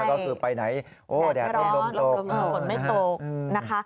ก็คือไปไหนแดดไม่ร้อนฝนไม่ตก